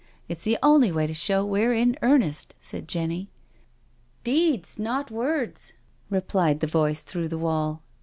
It's the only way to show we're in earnest," said Jenny. " Deeds not words," replied the voice through the wall.